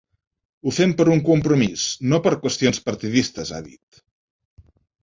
Ho fem per un compromís, no per qüestions partidistes, ha dit.